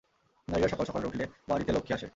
নারীরা সকাল সকাল উঠলে বাড়িতে লক্ষ্মী আসে।